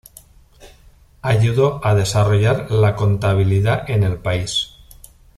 Ayudó a desarrollar la contabilidad en el país.